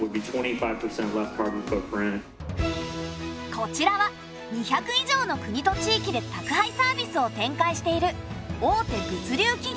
こちらは２００以上の国と地域で宅配サービスを展開している大手物流企業。